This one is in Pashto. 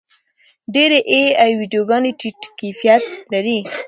ډېرې اې ای ویډیوګانې ټیټ کیفیت لري.